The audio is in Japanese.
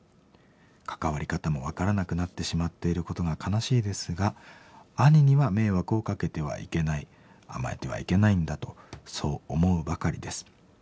関わり方も分からなくなってしまっていることが悲しいですが兄には迷惑をかけてはいけない甘えてはいけないんだとそう思うばかりです。